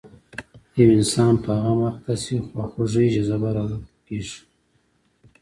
یو انسان په غم اخته شي خواخوږۍ جذبه راوټوکېږي.